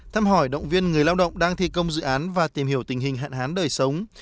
thăm hỏi động viên người lao động đang thi công dự án và tìm hiểu tình hình hạn hán đời sống